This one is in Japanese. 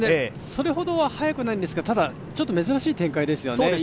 それほど速くないんですが、ちょっと珍しい展開ですよね。